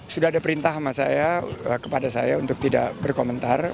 sudah ada perintah sama saya kepada saya untuk tidak berkomentar